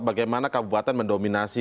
bagaimana kabupaten mendominasi